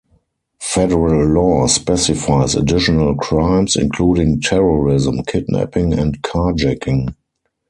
Federal law specifies additional crimes, including terrorism, kidnapping, and carjacking.